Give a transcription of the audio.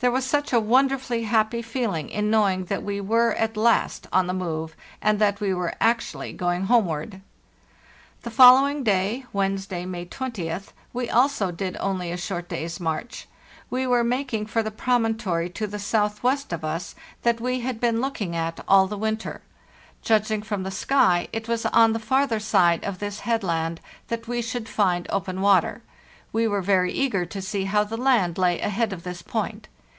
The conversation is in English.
There was such a wonderfully happy feeling in knowing that we were, at last, on the move, and that we were actually going home ward. The following day (Wednesday, May 20th) we also did only a short day's march. We were making for the promontory to the southwest of us that we had been THE JOURNEY SOUTHWARD 489 looking at all the winter. Judging from the sky, it was on the farther side of this headland that we should find open water. We were very eager to see how the land lay ahead of this point.